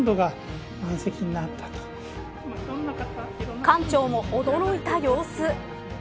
館長も驚いた様子。